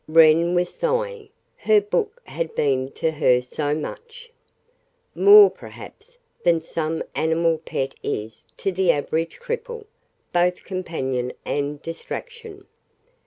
Wren was sighing. Her book had been to her so much. More, perhaps, than some animal pet is to the average cripple, both companion and distraction.